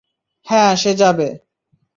হ্যাঁ সে যাবে।